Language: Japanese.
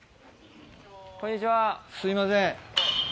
すいません。